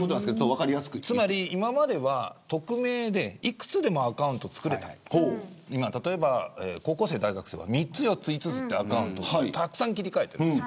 つまり今までは匿名でいくつでもアカウントをつくれた例えば高校生、大学生は３つ、４つ、５つとアカウントたくさん切り替えているんです。